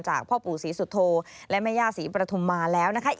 พ่อปู่ศรีสุโธและแม่ย่าศรีปฐุมมาแล้วนะคะ